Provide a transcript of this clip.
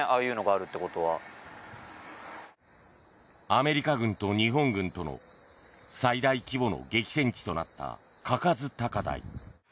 アメリカ軍と日本軍との最大規模の激戦地となった嘉数高台。